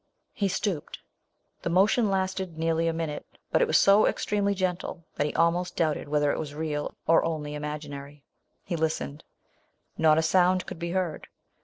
He stooped. The motion lasted nearly a minute ; but it was so extremely gentle, that he almost doubted whe ther it was real, or only imaginary. He listened. Not a sound could be heard.